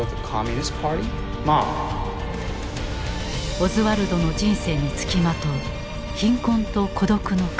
オズワルドの人生に付きまとう貧困と孤独の影。